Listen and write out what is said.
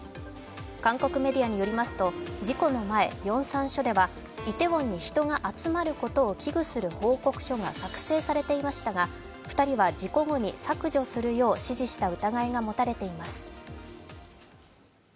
韓国メディアによりますと事故の前、ヨンサン署ではイテウォンに人が集まることを危惧する報告書が作成されていましたが２人は事故後に削除するよう指示した疑いが持たれています。